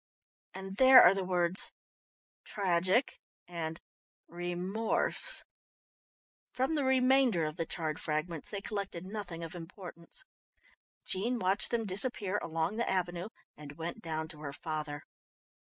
and there are the words 'tragic' and 'remorse'." From the remainder of the charred fragments they collected nothing of importance. Jean watched them disappear along the avenue, and went down to her father.